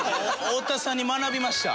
太田さんに学びました。